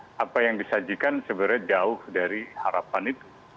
karena apa yang disajikan sebenarnya jauh dari harapan itu